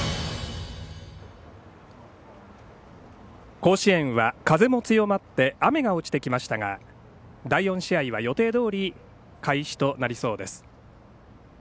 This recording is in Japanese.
甲子園は風も強まって雨が落ちてきましたが第４試合は予定どおり開始となりそうです。